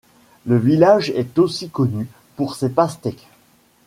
Le village est aussi connu pour ses pastèques.